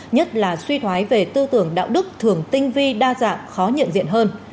nhất là suy thoái về tư tưởng đạo đức thường tinh vi đa dạng khó nhận diện hơn